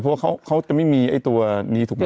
เพราะว่าเขาจะไม่มีไอ้ตัวนี้ถูกไหม